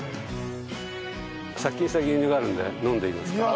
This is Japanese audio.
殺菌した牛乳があるんで飲んでみますか？